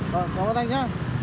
mời anh thổi vào đây nhé